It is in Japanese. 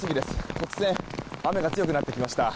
突然、雨が強くなってきました。